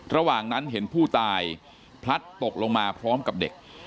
ระหว่างนั้นเห็นผู้ตายพลัดตกลงมาพร้อมกับเด็ก